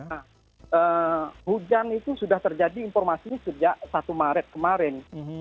nah hujan itu sudah terjadi informasinya sejak satu maret kemarin